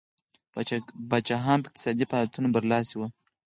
پاچاهان په اقتصادي فعالیتونو برلاسي وو.